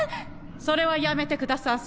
それはやめてくださんせ。